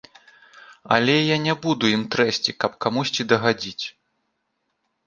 Але я не буду ім трэсці, каб камусьці дагадзіць.